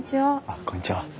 あっこんにちは。